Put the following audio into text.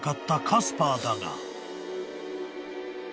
［カスパーだが］